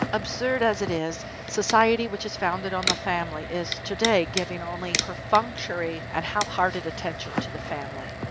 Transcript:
Absurd as it is, Society, which is founded on the family, is to day giving only perfunctory and half hearted attention to the family.